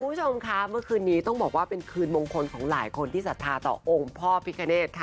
คุณผู้ชมค่ะเมื่อคืนนี้ต้องบอกว่าเป็นคืนมงคลของหลายคนที่ศรัทธาต่อองค์พ่อพิคเนธค่ะ